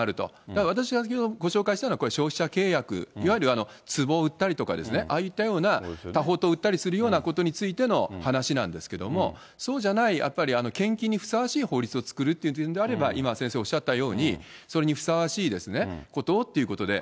だから、私がご紹介したのは、消費者契約、いわゆるつぼ売ったりとかですね、ああいったような、多宝塔を売ったりすることについての、話なんですけども、そうじゃない、やっぱり献金にふさわしい法律を作るっていう点であれば、今、先生おっしゃったように、それにふさわしいことっていうことで。